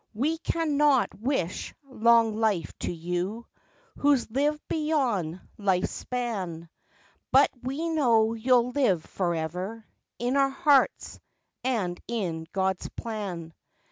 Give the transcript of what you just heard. We cannot wish long life to you, Who's lived beyond life's span, But we know you'll live forever In our hearts, and in God's plan.